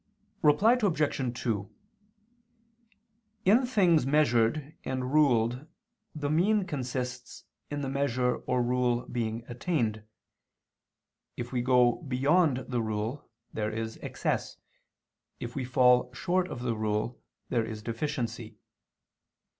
Reply Obj. 2: In things measured and ruled the mean consists in the measure or rule being attained; if we go beyond the rule, there is excess, if we fall short of the rule, there is deficiency.